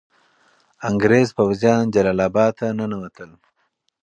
انګریز پوځیان جلال اباد ته ننوتل.